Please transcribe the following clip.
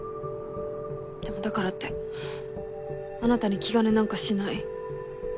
でもだからってあなたに気兼ねなんかしない。